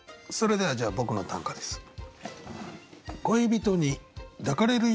それではじゃあ僕の短歌です。